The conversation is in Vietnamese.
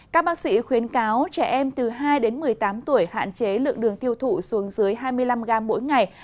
các bác sĩ khuyến cáo trẻ em từ hai đến một mươi tám tuổi hạn chế lượng đường tiêu thụ xuống dưới hai mươi năm gram mỗi ngày